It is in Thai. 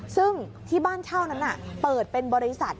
ซึ่งที่บ้านเช่านั้นเปิดเป็นบริษัท